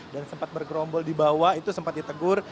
dan sempat bergerombol di bawah itu sempat ditegur